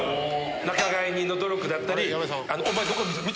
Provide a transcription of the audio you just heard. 仲買人の努力だったり。